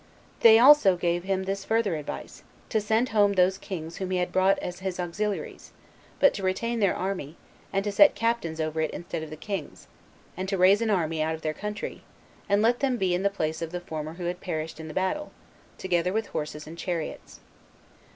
They also gave him this further advice, to send home those kings whom he had brought as his auxiliaries, but to retain their army, and to set captains over it instead of the kings, and to raise an army out of their country, and let them be in the place of the former who perished in the battle, together with horses and chariots.